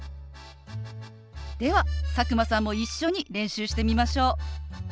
では佐久間さんも一緒に練習してみましょう。